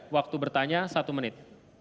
waktu bertanya satu menit